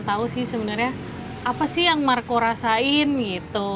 tahu sih sebenarnya apa sih yang marco rasain gitu